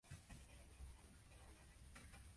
愛知県知立市